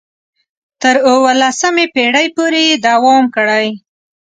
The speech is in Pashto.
او تر اوولسمې پېړۍ پورې یې دوام کړی.